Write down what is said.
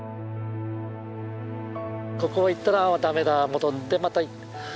ここを行ったら駄目だ戻ってまた行く。